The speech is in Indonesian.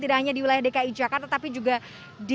tidak hanya di wilayah dki jakarta tapi juga di